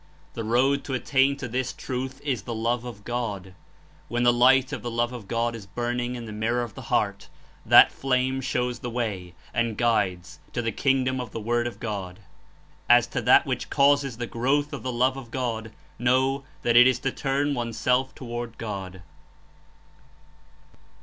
The road to attain to this Truth is the Love of God. When the light of the Love of God is burning in the mirror of the heart, that flame shows the way and guides to the Kingdom of the Word of God. "As to that which causes the growth of the love of God, know that it is to turn one's self toward God."